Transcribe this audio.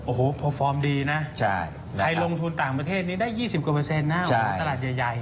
โอ้โหพอฟอร์มดีนะใครลงทุนต่างประเทศนี้ได้๒๐กว่าเปอร์เซ็นต์นะตลาดใหญ่